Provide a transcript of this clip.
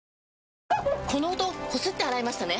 この音こすって洗いましたね？